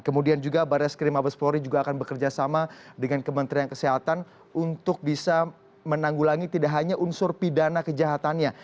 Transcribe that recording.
kemudian juga barat skirmabespori juga akan bekerja sama dengan kementerian kesehatan untuk bisa menanggulangi tidak hanya unsur pidana kejahatannya